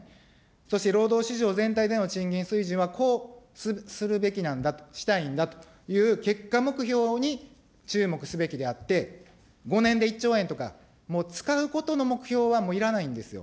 そして労働市場全体での賃金水準はこうするべきなんだと、したいんだという結果目標に注目すべきであって、５年で１兆円とか、もう使うことの目標はもういらないんですよ。